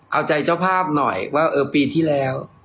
เอาใจเจ้าภาพหน่อยว่าเออปีที่แล้ว